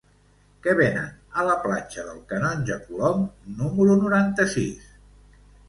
Què venen a la plaça del Canonge Colom número noranta-sis?